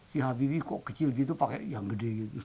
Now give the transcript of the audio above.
si habibie kok kecil gitu pakai yang gede gitu